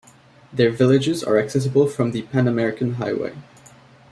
Their villages are accessible from the Pan-American highway.